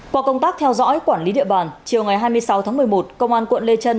qua công tác theo dõi quản lý địa bàn chiều ngày hai mươi sáu tháng một mươi một công an quận lê trân